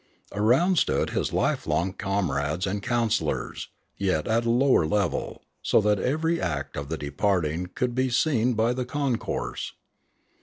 Around stood his lifelong com rades and counsellors, yet at a lower level, so that every act of the departing could be seen by the concourse.